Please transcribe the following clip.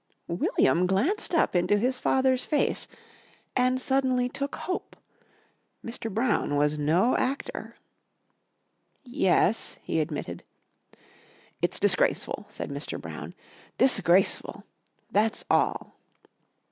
William glanced up into his father's face and suddenly took hope. Mr. Brown was no actor. "Yes," he admitted. "It's disgraceful," said Mr. Brown, "disgraceful! That's all."